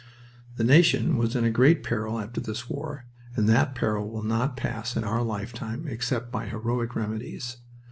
The nation was in great peril after this war, and that peril will not pass in our lifetime except by heroic remedies.